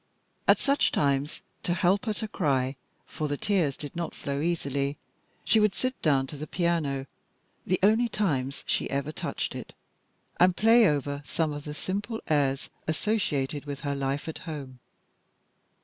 At such times, to help her to cry, for the tears did not flow easily, she would sit down to the piano, the only times she ever touched it, and play over some of the simple airs associated with her life at home.